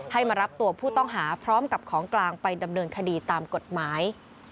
มารับตัวผู้ต้องหาพร้อมกับของกลางไปดำเนินคดีตามกฎหมาย